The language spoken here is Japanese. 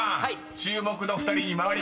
注目の２人に回りました］